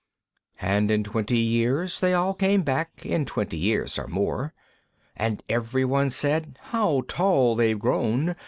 VI. And in twenty years they all came back, In twenty years or more, And every one said, "How tall they've grown!